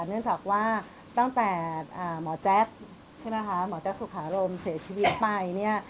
เนื่องจากว่าตั้งแต่หมอแจ๊กสุขารมเสียชีวิตไป